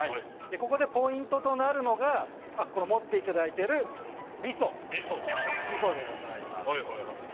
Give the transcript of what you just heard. ここでポイントとなるのが持っていただいているみそでございます。